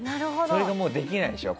それがもうできないでしょ。